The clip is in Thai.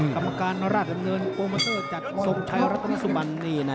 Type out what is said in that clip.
กรรมการราชดำเนินโปรมาเซอร์จากสมไทรักษณ์สุบันนี่นะ